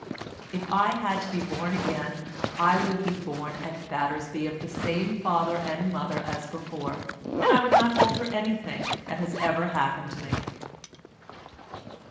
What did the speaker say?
If I had to be born again I would be born at Battersby of the same father and mother as before, and I would not alter anything that has ever happened to me."